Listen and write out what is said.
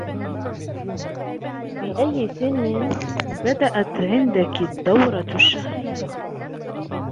في أي سن بدأت عندك الدورة الشهرية ؟